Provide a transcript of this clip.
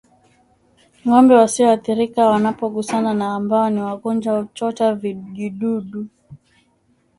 Ngombe wasioathirika wanapogusana na ambao ni wagonjwa huchota vijidudu